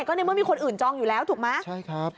ก็ในเมื่อมีคนอื่นจองอยู่แล้วถูกไหมใช่ครับ